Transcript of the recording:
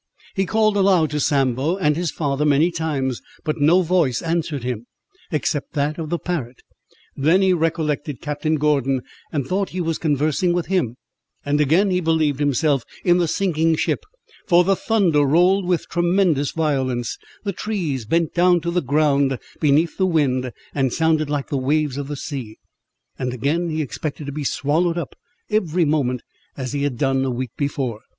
He called aloud to Sambo and his father many times, but no voice answered him, except that of the parrot. Then he recollected Captain Gordon, and thought he was conversing with him; and again he believed himself in the sinking ship, for the thunder rolled with tremendous violence, the trees bent down to the ground beneath the wind, and sounded like the waves of the sea; and again he expected to be swallowed up every moment, as he had done a week before.